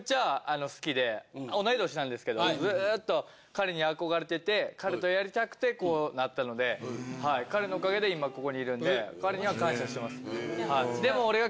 同い年なんですけどずっと彼に憧れてて彼とやりたくてこうなったのではい彼のおかげで今ここにいるんで彼には。